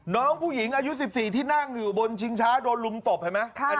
น้องผู้หญิงอายุ๑๔ที่นั่งอยู่บนชิงช้าโดนลุมตบเห็นไหม